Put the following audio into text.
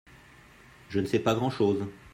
je ne sais pa grand-chose.